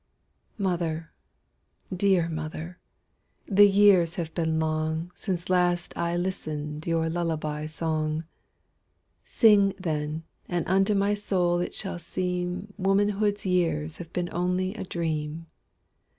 Mother, dear mother, the years have been longSince I last listened your lullaby song:Sing, then, and unto my soul it shall seemWomanhood's years have been only a dream.